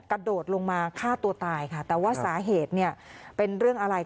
กระโดดลงมาฆ่าตัวตายค่ะแต่ว่าสาเหตุเนี่ยเป็นเรื่องอะไร